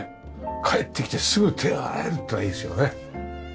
帰ってきてすぐ手が洗えるってのはいいですよね。